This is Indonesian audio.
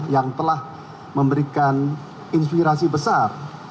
yang telah memberikan inspirasi besar